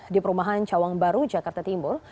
di perumahan cawang baru jakarta timur